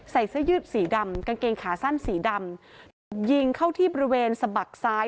เสื้อยืดสีดำกางเกงขาสั้นสีดำถูกยิงเข้าที่บริเวณสะบักซ้าย